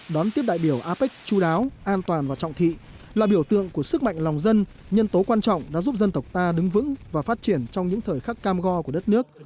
đón tiếp đại biểu apec chú đáo an toàn và trọng thị là biểu tượng của sức mạnh lòng dân nhân tố quan trọng đã giúp dân tộc ta đứng vững và phát triển trong những thời khắc cam go của đất nước